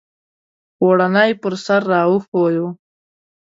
پوړنی پر سر را وښویوه !